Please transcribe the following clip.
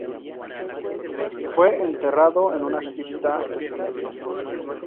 Fue enterrado en una cripta de cemento sólido.